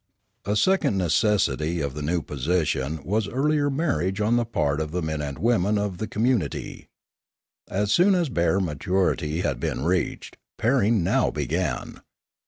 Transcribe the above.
A second necessity of the new position was earlier 342 Limanora marriage on the part of the men and women of the community. As soon as bare maturity had been reached, pairing now began.